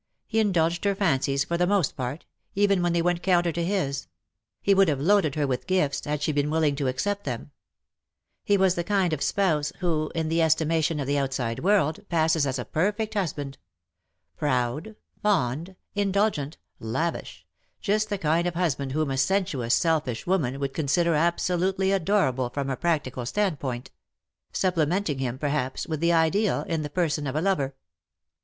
He indulged her fancies for the most part, even when they went counter to his ; he would have loaded her with gifts, had she been willing to accept them ; he was the kind of spouse who, in the esti mation of the outside world, passes as a perfect husband — proud, fond, indulgent, lavish — just the kind of husband whom a sensuous, selfish woman would consider absolutely adorable from a practical standpoint ; supplementing him, perhaps, with the ideal, in the person of a lover.